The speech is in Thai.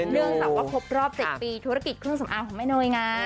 เนื่องจากว่าครบรอบ๗ปีธุรกิจเครื่องสำอางของแม่เนยไง